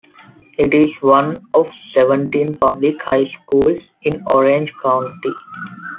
It is one of seventeen public high schools in Orange County.